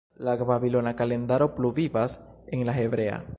La babilona kalendaro pluvivas en la hebrea.